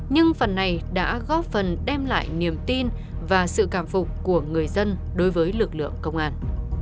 nhưng phần này đã góp phần đem lại niềm tin và sự cảm phục của người dân đối với lực lượng công an